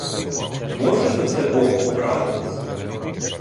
Може за це бог образитись?